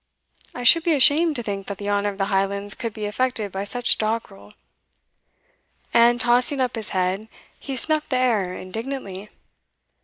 I should be ashamed to think that the honour of the Highlands could be affected by such doggrel. " And, tossing up his head, he snuffed the air indignantly.